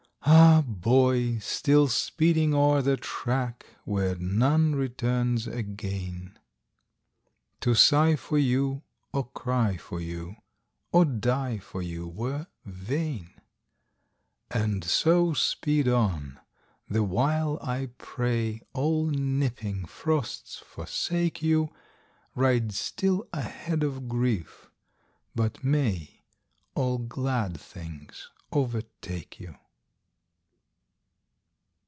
Ah, boy! still speeding o'er the track Where none returns again, To Sigh for you, or cry for you, Or die for you were vain. And so, speed on! the while I pray All nipping frosts forsake you Ride still ahead of grief, but may All glad things overtake you!